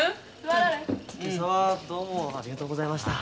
今朝はどうもありがとうございました。